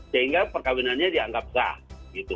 sehingga perkawinannya dianggap sah gitu